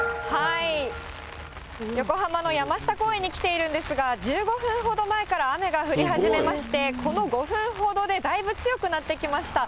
横浜の山下公園に来ているんですが、１５分ほど前から雨が降り始めまして、この５分ほどでだいぶ強くなってきました。